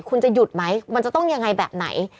คุณจะหยุดไหมมันจะต้องยังไงแบบไหน